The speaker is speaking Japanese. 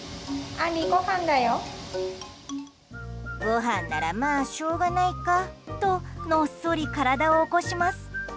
ごはんならまあしょうがないかとのっそり体を起こします。